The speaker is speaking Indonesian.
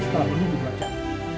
setelah menunggu dua jam